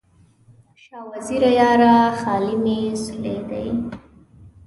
شاه وزیره یاره، خال مې سولېدلی